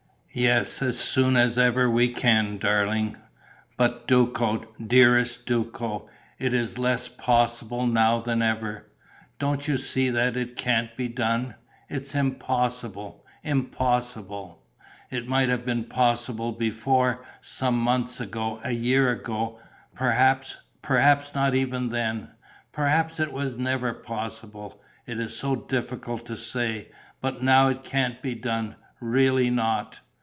"Yes, as soon as ever we can, darling." "But Duco, dearest Duco, it's less possible now than ever. Don't you see that it can't be done? It's impossible, impossible. It might have been possible before, some months ago, a year ago ... perhaps, perhaps not even then. Perhaps it was never possible. It is so difficult to say. But now it can't be done, really not...."